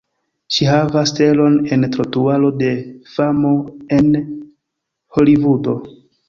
Ŝi havas stelon en Trotuaro de famo en Holivudo.